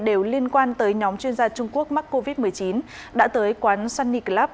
đều liên quan tới nhóm chuyên gia trung quốc mắc covid một mươi chín đã tới quán sunny club